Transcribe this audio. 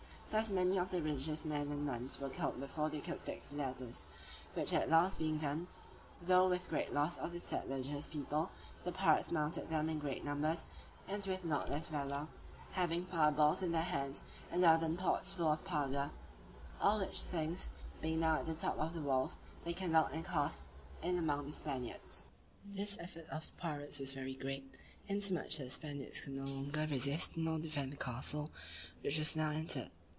Thus many of the religious men and nuns were killed before they could fix the ladders; which at last being done, though with great loss of their number, the pirates mounted them in great numbers, and with reckless valor, having fire balls in their hands, and earthen pots full of powder; which, being now at the top of the walls, they kindled and cast down among the Spaniards. This effort of the pirates was very great, insomuch that the Spaniards could not longer resist nor defend the castle, which was now entered.